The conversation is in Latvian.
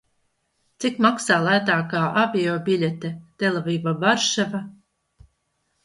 Cik maksā lētākā aviobiļete Telaviva - Varšava?